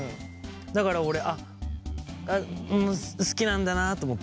だから俺好きなんだなと思って。